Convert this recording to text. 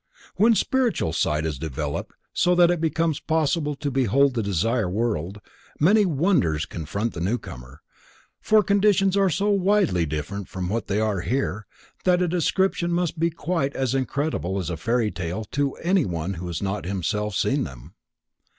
_ When spiritual sight is developed so that it becomes possible to behold the Desire World, many wonders confront the newcomer, for conditions are so widely different from what they are here, that a description must sound quite as incredible as a fairy tale to anyone who has not himself seen them.